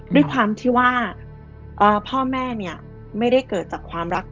ด้วยความที่ว่าพ่อแม่เนี่ยไม่ได้เกิดจากความรัก